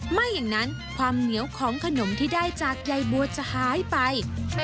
ไม่อย่างนั้นความเหนียวของขนมที่ได้จากใยบัวจะหายไป